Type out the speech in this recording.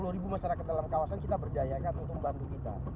sepuluh ribu masyarakat dalam kawasan kita berdayakan untuk membantu kita